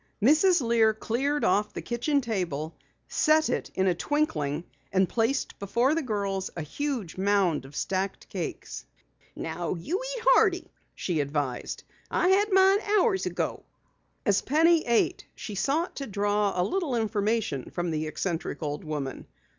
Mrs. Lear cleared off the kitchen table, set it in a twinkling, and placed before the girls a huge mound of stacked cakes. "Now eat hearty," she advised. "I had mine hours ago." As Penny ate, she sought to draw a little information from the eccentric old woman.